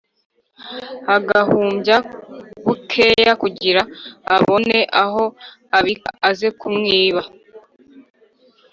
Agahumbya bukeya kugira abone aho abika aze kumwiba